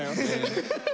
ハハハ！